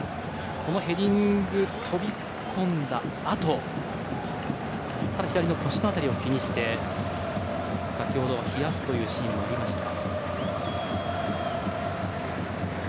このヘディング飛び込んだあと左の腰の辺りを気にして先ほどは冷やすシーンもありました。